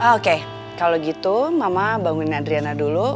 oke kalau gitu mama bangunin adriana dulu